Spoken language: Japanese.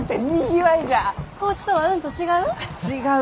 高知とはうんと違う？